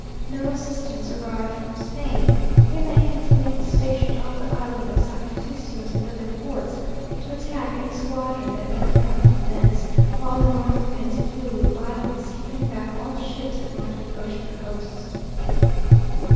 No assistance arrived from Spain. A Mexican fleet was stationed off the Island of Sacrificios and other points, to attack any squadron that might come from thence; while the north winds blew with violence, keeping back all ships that might approach the coasts.